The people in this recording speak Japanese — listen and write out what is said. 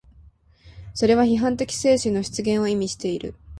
それは批判的精神の出現を意味している。